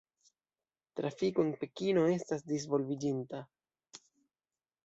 Trafiko en Pekino estas disvolviĝinta.